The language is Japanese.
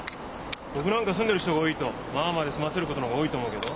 僕なんか住んでる人が多いと「まあまあ」で済ませることの方が多いと思うけど。